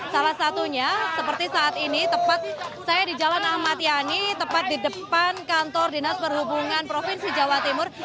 salah satunya seperti saat ini tepat saya di jalan ahmad yani tepat di depan kantor dinas perhubungan provinsi jawa timur